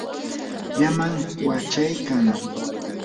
llamam wachaykan.